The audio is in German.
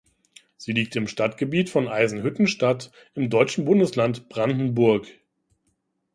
Sie liegt im Stadtgebiet von Eisenhüttenstadt im deutschen Bundesland Brandenburg.